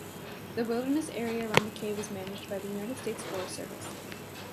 The wilderness area around the cave is managed by the United States Forest Service.